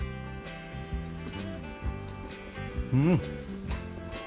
うん。